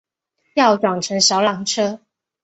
要转乘小缆车